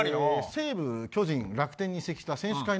西武、巨人、楽天に移籍した。